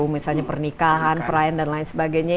misalnya pernikahan perayaan dan lain sebagainya